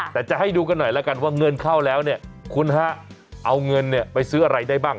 แต่จะให้ดูกันหน่อยแล้วกันว่าเงินเข้าแล้วเนี่ยคุณฮะเอาเงินเนี่ยไปซื้ออะไรได้บ้าง